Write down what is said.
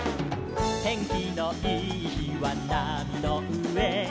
「てんきのいいひはなみのうえ」